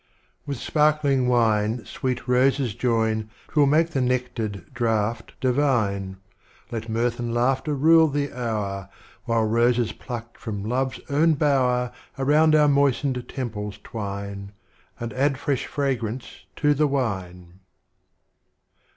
\X7itli sparkling wine sweet roses join 'T will make the uectared draught divine; Let Mirth and Laughter rule the hour, While roses plucked from Love's own bower, Around our moistened temples twine, And add fresh fragrance to the wine.